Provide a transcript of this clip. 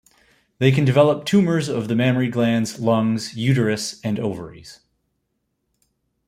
They can develop tumours of the mammary glands, lungs, uterus, and ovaries.